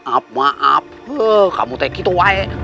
apa apa kamu teg itu wae